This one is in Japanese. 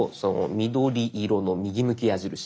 緑色の右向き矢印。